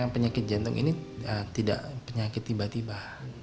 penyakit jantung ini tidak penyakit tiba tiba